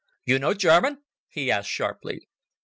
"You know German?" he asked sharply.